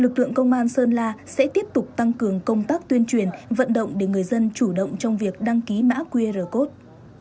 công an tỉnh sơn la sẽ tiếp tục tăng cường công tác tuyên truyền vận động để người dân chủ động trong việc đăng ký mã qr code